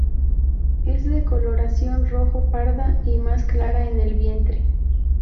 Es de coloración rojo parda, y más clara en el vientre.